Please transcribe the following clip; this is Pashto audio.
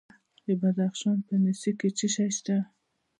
د بدخشان په نسي کې څه شی شته؟